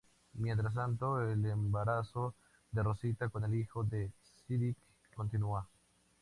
Mientras tanto, el embarazo de Rosita con el hijo de Siddiq continúa.